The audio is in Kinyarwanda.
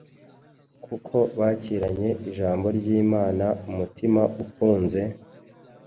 kuko bakiranye ijambo ry’Imana umutima ukunze,